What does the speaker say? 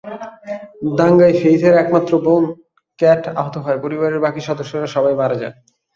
দাঙ্গায় ফেইথের একমাত্র বোন ক্যাট আহত হয়, পরিবারের বাকি সদস্যরা সবাই মারা যায়।